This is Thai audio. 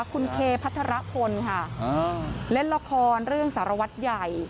คุณเคพัทรพลค่ะเล่นละครเรื่องสารวัตรใหญ่